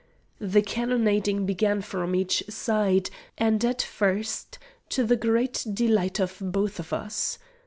The cannonading began from each side, and, at first, to the great delight of both of us.